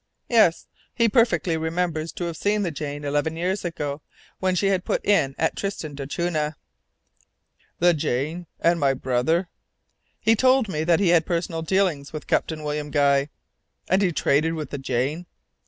"Yes. He perfectly remembers to have seen the Jane, eleven years ago, when she had put in at Tristan d'Acunha." "The Jane and my brother?" "He told me that he had personal dealings with Captain William Guy." "And he traded with the Jane?"